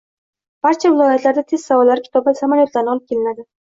Barcha viloyatlarda test savollari kitobi samolyotlarni olib kelinadi